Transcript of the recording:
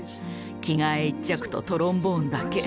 着替え１着とトロンボーンだけ。